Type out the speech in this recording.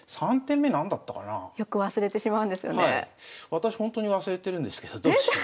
私ほんとに忘れてるんですけどどうしよう。